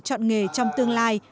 chọn nghề trong tương lai